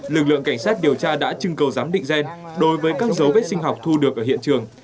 lực lượng cảnh sát điều tra đã trưng cầu giám định gen đối với các dấu vết sinh học thu được ở hiện trường